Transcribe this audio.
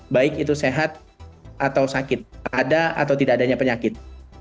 baik itu sehat atau sakit ada atau tidak adanya penyakit